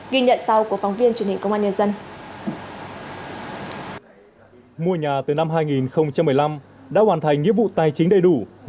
ghi nhận sau của phóng viên truyền hình công an